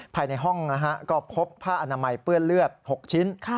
ภายในห้องก็พบผ้าอนามัยเปื้อนเลือด๖ชิ้น